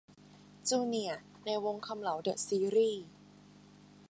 'จูเนียร์' ใน 'วงษ์คำเหลา เดอะซีรี่ส์'